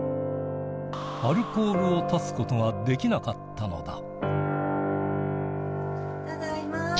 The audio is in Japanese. アルコールを断つことができなかったのだ。